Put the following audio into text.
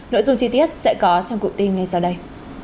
nội dung chi tiết sẽ có trong cụm tin ngay sau đây